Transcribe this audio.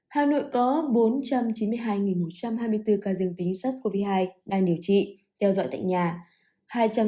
hà nội có bốn trăm chín mươi hai một trăm hai mươi bốn ca dương tính sars cov hai đang điều trị theo dõi tại nhà